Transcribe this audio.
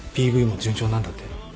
ＰＶも順調なんだって？